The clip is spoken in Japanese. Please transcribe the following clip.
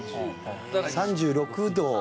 ３６度。